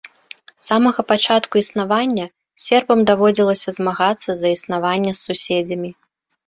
С самага пачатку існавання сербам даводзілася змагацца за існаванне з суседзямі.